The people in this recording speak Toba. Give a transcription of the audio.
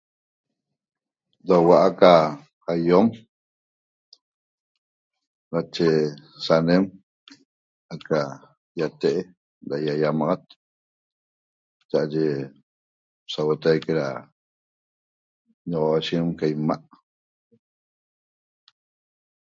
Ra huo'o aca aiom nache sanem aca iate'e ra iaiamaxat cha'aye sauotaique ra nnoxosheguem aca ima'